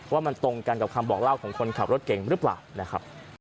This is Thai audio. ว่ามันตรงกันกับคำบอกเล่าของคนขับรถเก่งหรือเปล่านะครับ